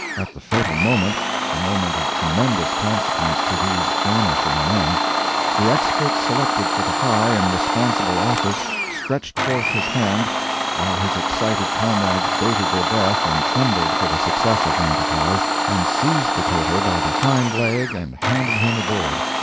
At the fateful moment—a moment of tremendous consequence to these famishing men—the expert selected for the high and responsible office stretched forth his hand, while his excited comrades bated their breath and trembled for the success of the enterprise, and seized the turtle by the hind leg and handed him aboard!